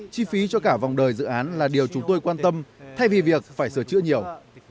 chi phí cho cả vòng đời dự án là điều chúng tôi quan tâm thay vì việc phải sửa chữa nhiều